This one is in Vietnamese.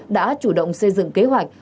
đã chủ động xây dựng kế hoạch